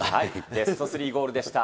ベスト３ゴールでした。